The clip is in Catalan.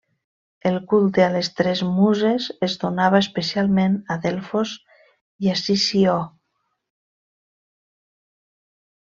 El culte a les tres muses es donava especialment a Delfos i a Sició.